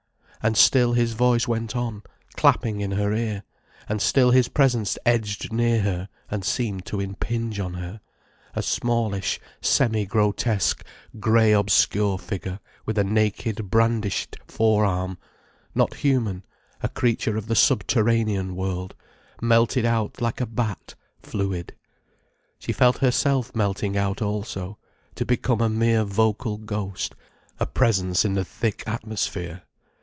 And still his voice went on clapping in her ear, and still his presence edged near her, and seemed to impinge on her—a smallish, semi grotesque, grey obscure figure with a naked brandished forearm: not human: a creature of the subterranean world, melted out like a bat, fluid. She felt herself melting out also, to become a mere vocal ghost, a presence in the thick atmosphere.